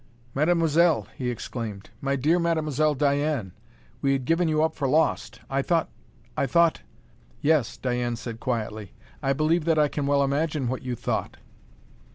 "Mademoiselle," he exclaimed, " my dear Mademoiselle Diane! We had given you up for lost. I thought I thought " "Yes," said Diane quietly, "I believe that I can well imagine what you thought."